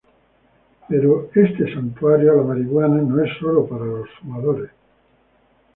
Pero este santuario a la marihuana no es sólo para los fumadores.